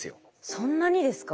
そんなにですか？